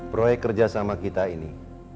proyek kerja sama kita ini